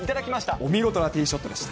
お見事なティーショットでした。